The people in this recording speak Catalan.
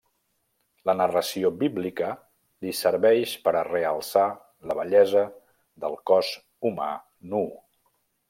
La narració bíblica li serveix per a realçar la bellesa del cos humà nuu.